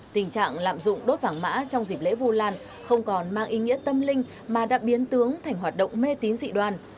tình trạng lạm dụng đốt vàng mã trong dịp lễ vu lan không còn mang ý nghĩa tâm linh mà đã biến tướng thành hoạt động mê tín dị đoàn